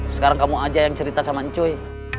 sekarang kamu aja yang cerita sama ncuy